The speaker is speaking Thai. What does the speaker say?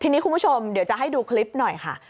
ทีนี้คุณผู้ชมเดี๋ยวจะให้ดูคลิปหน่อยค่ะ